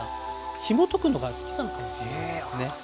ひもとくのが好きなのかもしれないですね。